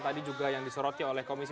tadi juga yang diseroti oleh komisi